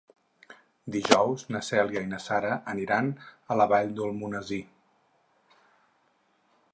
Dijous na Cèlia i na Sara aniran a la Vall d'Almonesir.